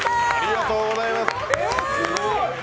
ありがとうございます。